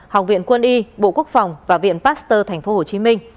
học viện quân y bộ quốc phòng và viện pasteur tp hcm